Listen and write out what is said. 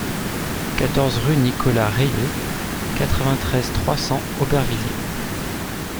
quatorze rue Nicolas Rayer, quatre-vingt-treize, trois cents, Aubervilliers